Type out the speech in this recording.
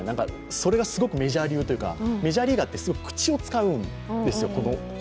それがすごくメジャー流というか、メジャーリーガーってすごく口を使うんですよ。